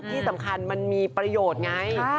ที่สำคัญมันมีประโยชน์ไง